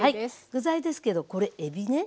具材ですけどこれえびね。